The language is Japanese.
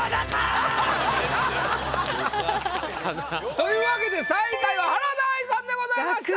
というわけで最下位は原田愛さんでございました！